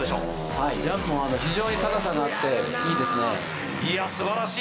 はいジャンプも非常に高さがあっていいですねいや素晴らしい